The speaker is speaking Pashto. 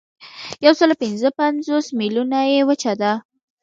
یوسلاوپینځهپنځوس میلیونه یې وچه ده.